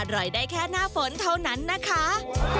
อร่อยได้แค่หน้าฝนเท่านั้นนะคะ